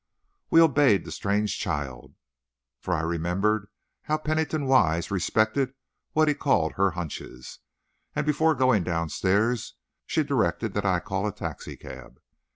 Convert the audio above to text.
We obeyed the strange child, for I remembered how Pennington Wise respected what he called her "hunches," and before going downstairs she directed that I call a taxicab.